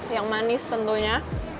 yang manis tentunya